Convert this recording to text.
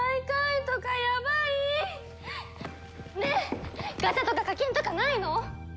ねえガチャとか課金とかないの！？